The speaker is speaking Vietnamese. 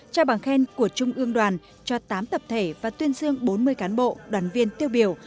trao bằng khen của trung ương đoàn cho tám tập thể và tuyên dương bốn mươi cán bộ đoàn viên tiêu biểu